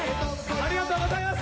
ありがとうございます。